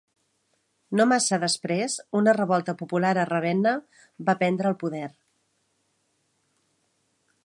No massa després una revolta popular a Ravenna va prendre el poder.